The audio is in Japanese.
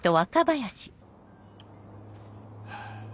ハァ。